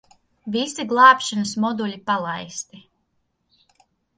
Visi glābšanas moduļi palaisti.